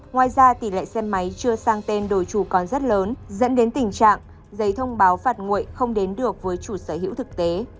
ngoài ra tỷ lệ xe máy chưa sang tên đổi chủ còn rất lớn dẫn đến tình trạng giấy thông báo phạt nguội không đến được với chủ sở hữu thực tế